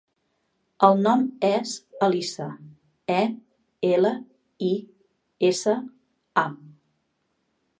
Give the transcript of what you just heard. El nom és Elisa: e, ela, i, essa, a.